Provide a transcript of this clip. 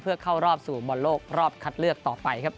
เพื่อเข้ารอบสู่บอลโลกรอบคัดเลือกต่อไปครับ